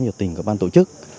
nhật tình của ban tổ chức